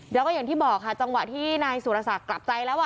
แล้วก็อย่างที่บอกค่ะจังหวะที่นายสุรศักดิ์กลับใจแล้ว